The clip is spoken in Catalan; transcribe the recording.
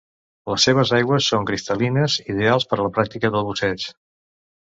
Les seves aigües són cristal·lines, ideals per la pràctica del busseig.